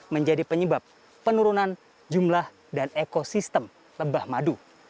menjadi penyebab penurunan jumlah dan ekosistem lebah madu